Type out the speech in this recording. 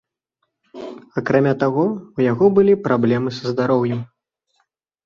Акрамя таго, у яго былі праблемы са здароўем.